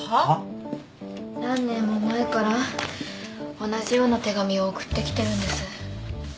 何年も前から同じような手紙を送ってきてるんです。